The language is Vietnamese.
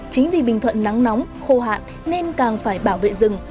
chính vì bình thuận nắng nóng khô hạn nên càng phải bảo vệ rừng